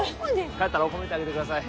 帰ったら褒めてあげてください